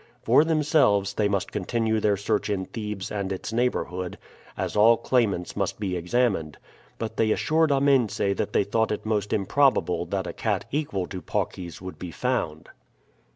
For themselves, they must continue their search in Thebes and its neighborhood, as all claimants must be examined; but they assured Amense that they thought it most improbable that a cat equal to Paucis would be found.